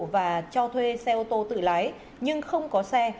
và cho thuê xe ô tô tự lái nhưng không có xe